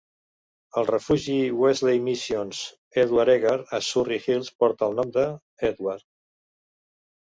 El refugi Wesley Mission's Edward Eagar a Surry Hills porta el nom d'Edward.